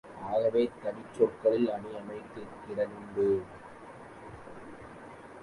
ஆகவே, தனிச்சொற்களிலும் அணி அமைதற் கிடனுண்டு.